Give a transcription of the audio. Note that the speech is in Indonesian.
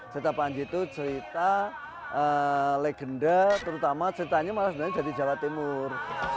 cerita panji itu cerita legenda terutama ceritanya malah sebenarnya jadi jawa timur